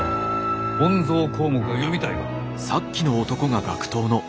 「本草綱目」が読みたいか？